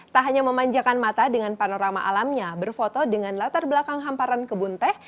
tak hanya memanjakan mata dengan panorama alamnya berfoto dengan latar belakang hamparan kebun teh